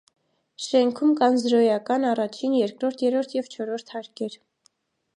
Շենքում կան զրոյական, առաջին, երկրորդ, երրորդ և չորրորդ հարկեր։